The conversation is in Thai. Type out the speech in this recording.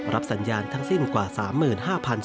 รับสัญญาณทั้งสิ้นกว่า๓๕๒๑๕แห่งทั่วประเทศ